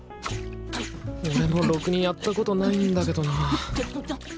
俺もろくにやったことないんだけどな。